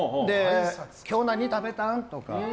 今日何食べたん？とか。